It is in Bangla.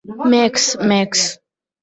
Max, max.